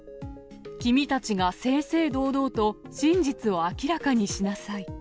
君たちが正々堂々と真実を明らかにしなさい。